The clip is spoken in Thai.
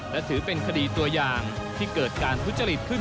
และถือเป็นคดีตัวอย่างที่เกิดการทุจริตขึ้น